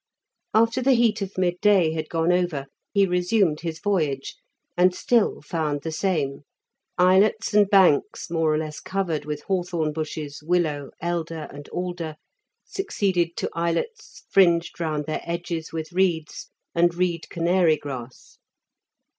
After the heat of midday had gone over, he resumed his voyage, and still found the same; islets and banks, more or less covered with hawthorn bushes, willow, elder, and alder, succeeded to islets, fringed round their edges with reeds and reed canary grass.